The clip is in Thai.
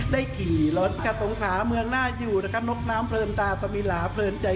ได้ขี่รถกระตงสาเมืองน่าอยู่นกน้ำเพิ่มตาสมีหลาเพลินใจ